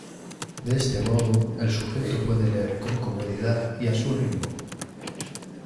De este modo, el sujeto puede leer con comodidad y a su ritmo.